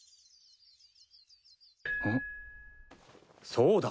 そうだ！